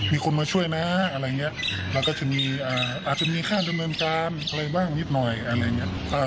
มีคนมาช่วยนะอะไรอย่างนี้เราก็จะมีอาจจะมีค่าดำเนินการอะไรบ้างนิดหน่อยอะไรอย่างนี้